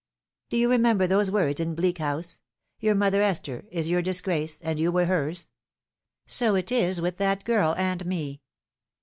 "Do you remember those words in Bleak House? 'Your mother, Esther, is your disgrace, and you were hers.' So it is with that girl and me.